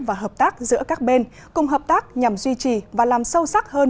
và hợp tác giữa các bên cùng hợp tác nhằm duy trì và làm sâu sắc hơn